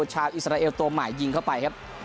อิสราเอลตัวใหม่ยิงเข้าไปครับ